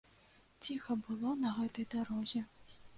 Ціха было на гэтай дарозе.